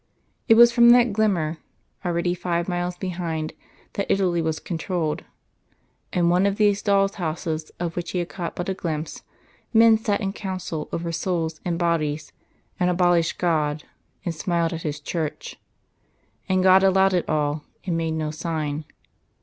It was from that glimmer, already five miles behind, that Italy was controlled; in one of these dolls' houses of which he had caught but a glimpse, men sat in council over souls and bodies, and abolished God, and smiled at His Church. And God allowed it all, and made no sign.